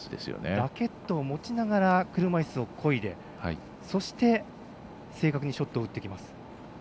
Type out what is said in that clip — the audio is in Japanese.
ラケットを持ちながら車いすをこいでそして、正確にショットを打ってきます。